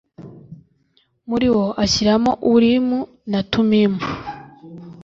muri wo ashyiramo urimu na tumimu